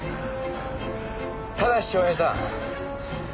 田無昌平さん。